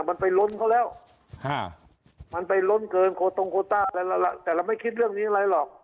มันไปล้นเขาแล้วมันไปล้นเกินโคตงโคต้าแต่เราไม่คิดเรื่องนี้อะไรหรอก